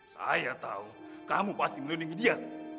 saya tahu kamu pasti melindungi dia